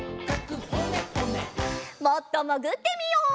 もっともぐってみよう。